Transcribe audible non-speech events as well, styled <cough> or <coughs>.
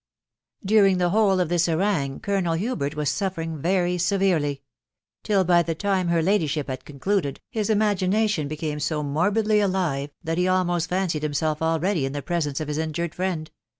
Jhtring the whole rf this tarcngaft C&on& TSL\Swsl\. <coughs> 448 THE WIDOW BABNAB1. suffering very severely ; till by the time her ladyship had concluded, his imagination became so morbidly alive, that he almost fancied himself already in the presence of his injured . friend.